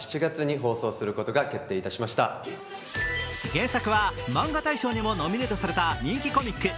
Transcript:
原作はマンガ大賞にもノミネートされた人気コミック。